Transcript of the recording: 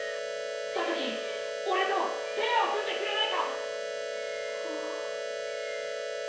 俺とペアを組んでくれないか！！